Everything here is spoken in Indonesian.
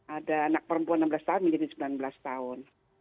ada anak perempuan enam belas tahun menjadi sembilan belas tahun